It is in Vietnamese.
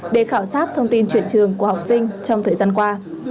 để khảo sát thông tin chuyển trường của học sinh trong thời gian qua